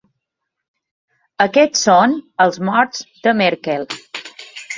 Aquests són els morts de Merkel.